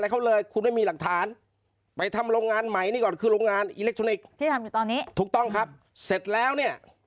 เพราะเธอไม่มีหลักฐาน